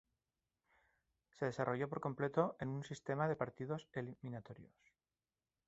Se desarrolló por completo en un sistema de partidos eliminatorios.